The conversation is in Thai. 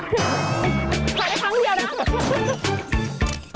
แชร์ได้ครั้งเดียวนะ